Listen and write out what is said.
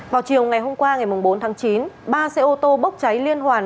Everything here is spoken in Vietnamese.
vào chiều ngày hôm qua ngày bốn tháng chín ba xe ô tô bốc cháy liên hoàn